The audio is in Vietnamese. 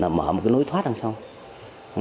là mở một cái lối thoát đằng sau